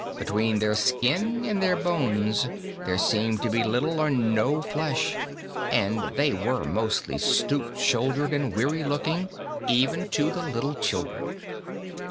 Between their skin and their bones there seemed to be little or no flesh, and they were mostly stoop shouldered and weary looking, even to the little children.